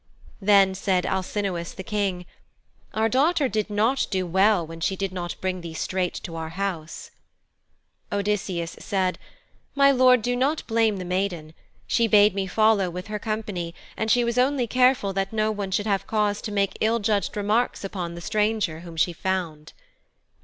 Then said Alcinous the King, 'Our daughter did not do well when she did not bring thee straight to our house.' Odysseus said, 'My Lord, do not blame the maiden. She bade me follow with her company, and she was only careful that no one should have cause to make ill judged remarks upon the stranger whom she found.'